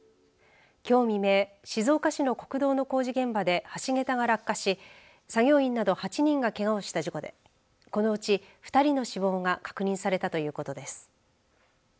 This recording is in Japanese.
きょう未明、静岡市の国道工事現場で橋桁が落下し作業員など８人がけがをした事故でこのうち２人の死亡が確認されたということです。